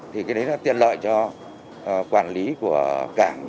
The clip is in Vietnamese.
thì cái đấy là tiện lợi cho quản lý của cảng